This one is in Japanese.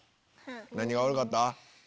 何が悪かった？